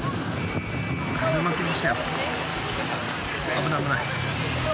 危ない危ない。